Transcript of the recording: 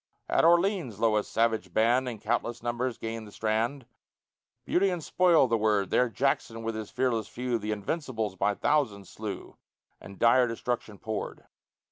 At Orleans lo! a savage band, In countless numbers gain the strand, "Beauty and spoil" the word There Jackson with his fearless few, The invincibles by thousands slew, And dire destruction poured.